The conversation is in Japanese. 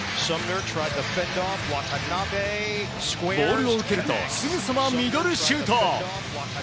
ボールを受けるとすぐさまミドルシュート。